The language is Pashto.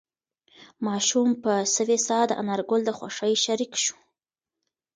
ماشوم په سوې ساه د انارګل د خوښۍ شریک شو.